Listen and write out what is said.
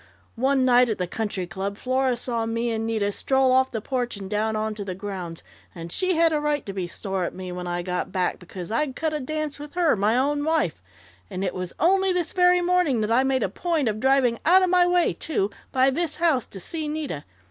"One night, at the Country Club, Flora saw me and Nita stroll off the porch and down onto the grounds, and she had a right to be sore at me when I got back, because I'd cut a dance with her my own wife!... And it was only this very morning that I made a point of driving out of my way too by this house to see Nita.